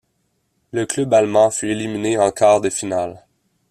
Le club allemand fut éliminé en quarts de finale.